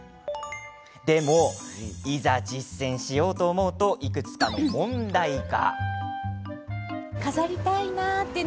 でも、いざ実践しようと思うといくつかの問題が。